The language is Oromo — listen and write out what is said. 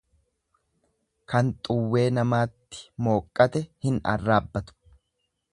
Kan xuwwee namaatti mooqqate hin arraabbatu.